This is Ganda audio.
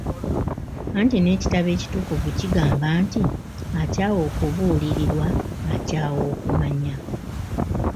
Anti n'ekitabo ekitukuvu kigamba nti akyawa okubuulirirwa akyawa okumanya.